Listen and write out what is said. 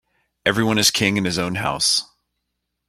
Every one is king in his own house.